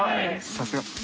さすが。